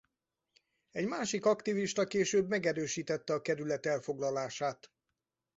Egy másik aktivista később megerősítette a kerület elfoglalását.